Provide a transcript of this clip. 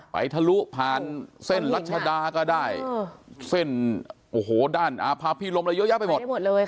ทะลุผ่านเส้นรัชดาก็ได้เส้นโอ้โหด้านอาภาพีลมอะไรเยอะแยะไปหมดเลยค่ะ